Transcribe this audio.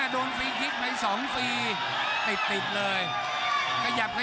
โดนฟรีคิดในสองฟรีติดเลย